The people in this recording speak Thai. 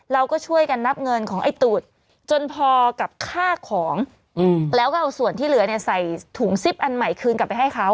เราก็ช่วยกันนับเงินของไอ้ตูดจนพอกับค่าของแล้วก็เอาส่วนที่เหลือเนี่ยใส่ถุงซิปอันใหม่คืนกลับไปให้เขา